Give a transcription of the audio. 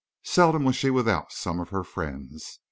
Seldom was she without some of her friends.